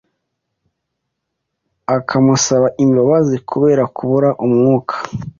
akamusaba imbabazi kubera kubura umwuka